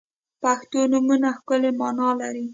• پښتو نومونه ښکلی معنا لري.